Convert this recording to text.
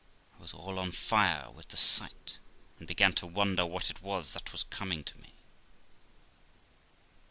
I was all on fire with the sight, and began to wonder what it was that was coming to me.